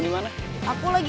lho berndak kok